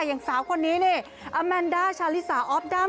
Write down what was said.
อย่างสาวคนนี้นี่อาแมนด้าชาลิสาออฟดัม